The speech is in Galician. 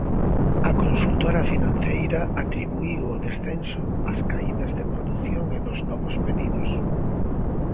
A consultora financeira atribuíu o descenso ás caídas de produción e dos novos pedidos.